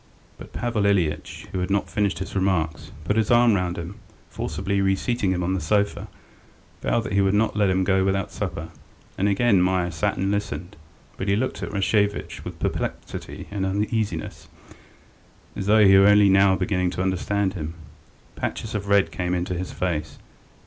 But Pavel Ilyitch, who had not finished his remarks, put his arm round him and, forcibly reseating him on the sofa, vowed that he would not let him go without supper. And again Meier sat and listened, but he looked at Rashevitch with perplexity and uneasiness, as though he were only now beginning to understand him. Patches of red came into his face.